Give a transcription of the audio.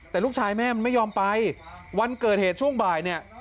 แต่ลูกชายแม่มันไม่ยอมไปวันเกิดเหตุช่วงบ่ายเนี่ย